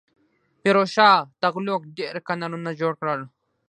فیروز شاه تغلق ډیر کانالونه جوړ کړل.